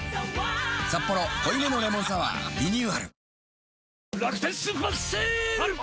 「サッポロ濃いめのレモンサワー」リニューアル